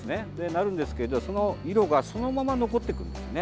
なるんですけど、その色がそのまま残っていくんですね。